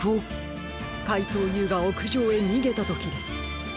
かいとうＵがおくじょうへにげたときです。